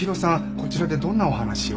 こちらでどんなお話を？